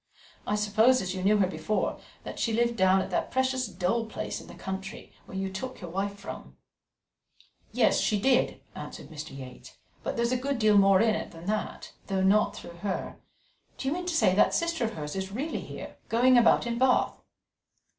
I suppose, as you knew her before, that she lived down at that precious dull place in the country, where you took your wife from." "Yes, she did," answered Mr. Yates; "but there's a good deal more in it than that not through her. Do you mean to say that sister of hers is really here, going about in Bath?"